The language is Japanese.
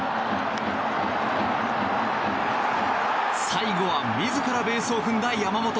最後は自らベースを踏んだ山本。